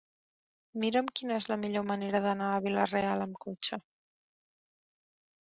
Mira'm quina és la millor manera d'anar a Vila-real amb cotxe.